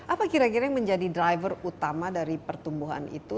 apa kira kira yang menjadi driver utama dari pertumbuhan itu